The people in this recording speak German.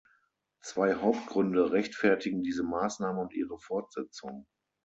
Zwei Hauptgründe rechtfertigen diese Maßnahme und ihre Fortsetzung.